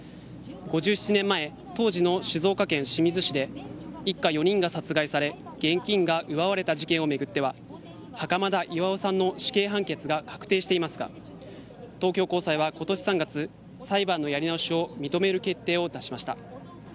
５７年前、当時の静岡県清水市で一家４人が殺害され現金が奪われた事件を巡っては袴田巌さんの死刑判決が確定していますが東京高裁は今年３月裁判のやり直しを認める決定を出しました。